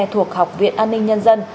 thuộc học viện an ninh nhân dân